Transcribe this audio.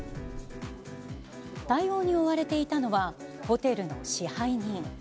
対応に追われていたのは、ホテルの支配人。